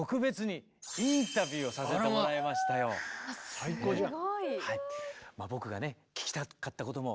最高じゃん。